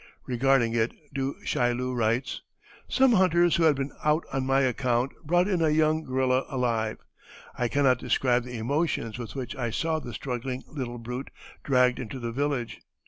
Regarding it, Du Chaillu writes: "Some hunters who had been out on my account brought in a young gorilla alive. I cannot describe the emotions with which I saw the struggling little brute dragged into the village.